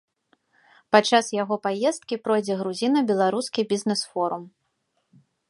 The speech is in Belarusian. Падчас яго паездкі пройдзе грузіна-беларускі бізнэс-форум.